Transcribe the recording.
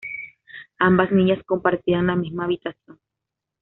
Ambas niñas compartían la misma habitación.